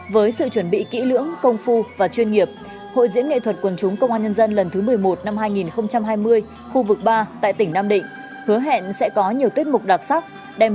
với sự chuẩn bị kỹ lưỡng công phu và chuyên nghiệp hội diễn nghệ thuật quần chúng công an nhân dân lần thứ một mươi một năm hai nghìn hai mươi khu vực ba tại tỉnh nam định